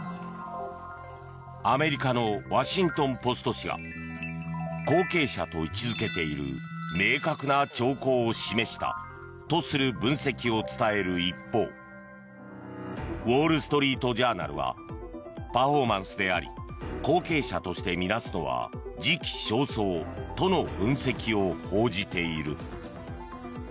アメリカのワシントン・ポスト紙が後継者と位置付けている明確な兆候を示したとする分析を伝える一方ウォール・ストリート・ジャーナルはパフォーマンスであり後継者として見なすのは時期尚早との分析を報じている。